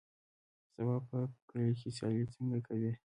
سبا به په کلي کې سیالۍ څنګه کوې.